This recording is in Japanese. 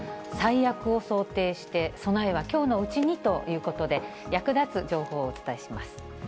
最悪を想定して、備えはきょうのうちにということで、役立つ情報をお伝えします。